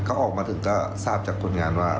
เขาออกมาถึงก็ทราบจากคนงานว่า